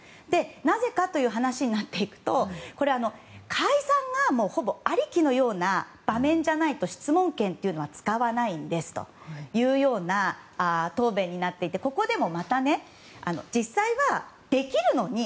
なぜかという話になっていくと解散がほぼありきのような場面じゃないと質問権は使わないんですというような答弁になっていてここでもまた実際はできるのに